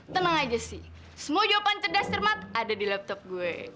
tenang aja sih semua jawaban cerdas cermat ada di laptop gue